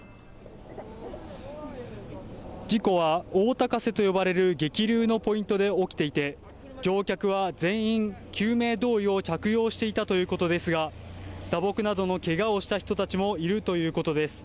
事故は、大高瀬と呼ばれる激流のポイントで起きていて、乗客は全員、救命胴衣を着用していたということですが、打撲などのけがをした人たちもいるということです。